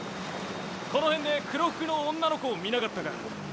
この辺で黒服の女の子を見なかったか？